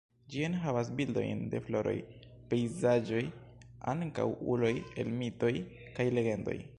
Ĝi enhavas bildojn de floroj, pejzaĝoj ankaŭ uloj el mitoj kaj legendoj.